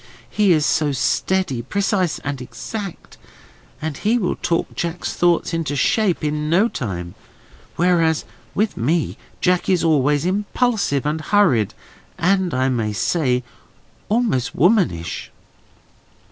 He is so steady, precise, and exact, that he will talk Jack's thoughts into shape, in no time: whereas with me Jack is always impulsive and hurried, and, I may say, almost womanish."